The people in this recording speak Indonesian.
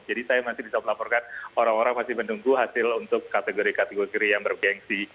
jadi saya masih bisa melaporkan orang orang masih menunggu hasil untuk kategori kategori yang bergensi